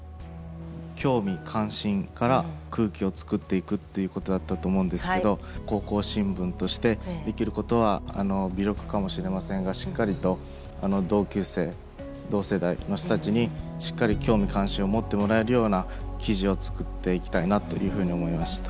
興味関心から空気をつくっていくということだったと思うんですけど高校新聞としてできることは微力かもしれませんがしっかりと同級生同世代の人たちにしっかり興味関心を持ってもらえるような記事を作っていきたいなというふうに思いました。